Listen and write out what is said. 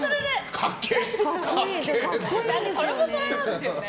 それもそれなんですよね。